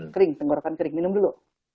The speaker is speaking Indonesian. kering tenggorokan kering minum dulu